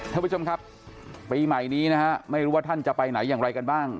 ท่านผู้ชมครับปีใหม่นี้นะฮะไม่รู้ว่าท่านจะไปไหนอย่างไรกันบ้าง